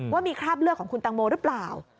ว่ามีคราบเลือดของคุณตังโมหรือเปล่า